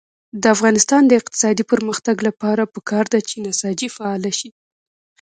د افغانستان د اقتصادي پرمختګ لپاره پکار ده چې نساجي فعاله شي.